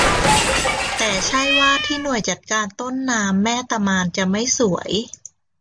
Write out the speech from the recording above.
แต่ใช่ว่าที่หน่วยจัดการต้นน้ำแม่ตะมานจะไม่สวย